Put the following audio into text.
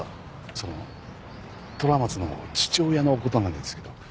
その虎松の父親の事なんですけど。